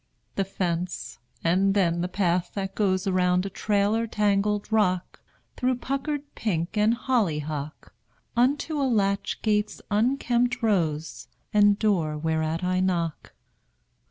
The fence; and then the path that goes Around a trailer tangled rock, Through puckered pink and hollyhock, Unto a latch gate's unkempt rose, And door whereat I knock.